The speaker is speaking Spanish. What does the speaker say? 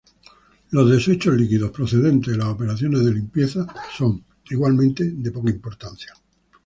Los desechos líquidos procedentes de las operaciones de limpieza son, igualmente, de poca importancia.